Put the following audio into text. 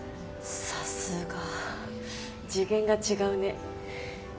さすが次元が違うね。